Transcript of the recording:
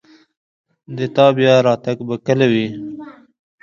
د تا بیا راتګ به کله وي